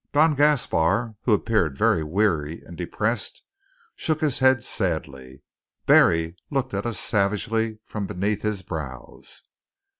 Don Gaspar, who appeared very weary and depressed, shook his head sadly. Barry looked at us savagely from beneath his brows.